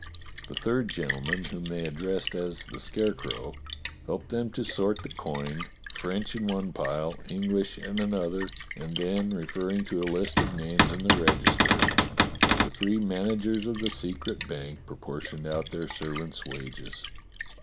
The third gentleman, whom they addressed as the Scarecrow, helped them to sort the coin, French in one pile, English in another, and then referring to a list of names in the register, the three managers of the secret bank proportioned out their servants' wages.